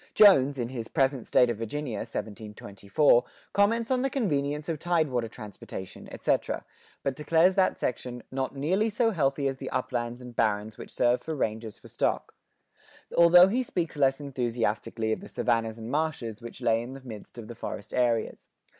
Jones, in his "Present State of Virginia" (1724), comments on the convenience of tidewater transportation, etc., but declares that section "not nearly so healthy as the uplands and Barrens which serve for Ranges for Stock," although he speaks less enthusiastically of the savannas and marshes which lay in the midst of the forest areas.